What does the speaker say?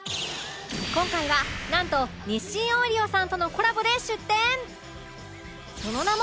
今回はなんと日清オイリオさんとのコラボで出店！